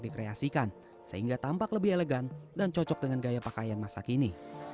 dikreasikan sehingga tampak lebih elegan dan cocok dengan gaya pakaian masa kini